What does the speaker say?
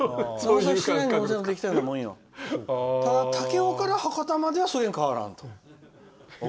ただ、武雄から博多まではそげん変わらんとよ。